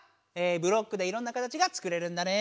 ブロックでいろんな形がつくれるんだね。